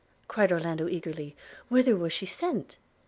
cried Orlando eagerly – 'Whither was she sent?'